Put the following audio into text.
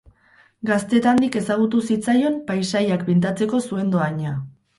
Gaztetandik ezagutu zitzaion paisaiak pintatzeko zuen dohaina.